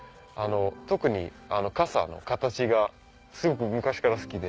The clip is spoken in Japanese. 特に笠の形がすごく昔から好きで。